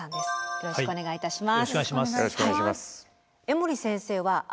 よろしくお願いします。